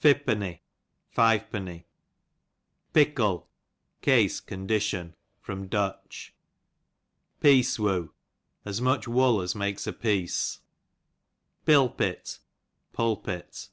Phi|>puiiny, fivepenny. Pickle, case^ condition. Du. Piece woo, as much wool as makes a piece, Pilpit, pulpit.